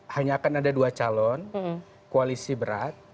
hanya akan ada dua calon koalisi berat